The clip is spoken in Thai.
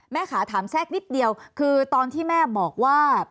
ขาถามแทรกนิดเดียวคือตอนที่แม่บอกว่า